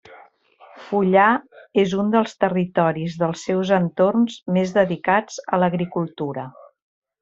Fullà és un dels territoris dels seus entorns més dedicats a l'agricultura.